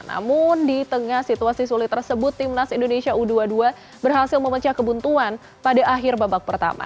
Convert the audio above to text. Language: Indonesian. namun di tengah situasi sulit tersebut timnas indonesia u dua puluh dua berhasil memecah kebuntuan pada akhir babak pertama